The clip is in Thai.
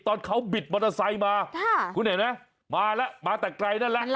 ตอนเขาบิดมอเตอร์ไซค์มาคุณเห็นไหมมาแล้วมาแต่ไกลนั่นแหละ